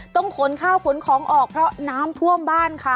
ต้องขนข้าวขนของออกเพราะน้ำท่วมบ้านค่ะ